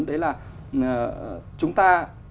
đấy là chúng ta